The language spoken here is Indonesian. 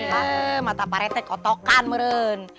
eee mata pampir kotok kan meren